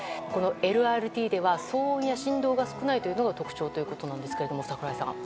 ＬＲＴは騒音や振動が少ないのが特徴ということですが櫻井さん。